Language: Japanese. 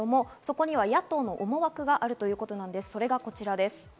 野党の思惑があるということです。